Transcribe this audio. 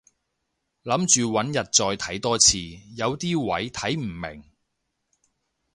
諗住搵日再睇多次，有啲位睇唔明